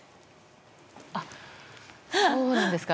あ、そうなんですか！